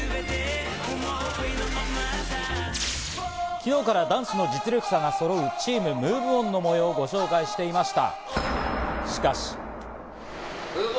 昨日からダンスの実力者が揃うチームＭｏｖｅＯｎの模様をご紹介していました。